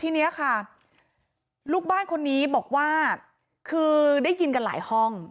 ที่นี่ลูกบ้านคนนี้คือได้ยินกันหลายห้อง